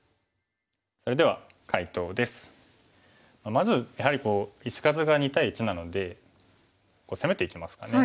まずやはり石数が２対１なので攻めていきますかね。